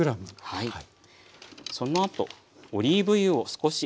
はい。